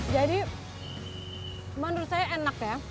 jadi menurut saya enak ya